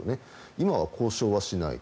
今は交渉はしないと。